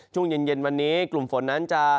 ช่วงเย็นวันนี้กลุ่มฝนนั้นจะ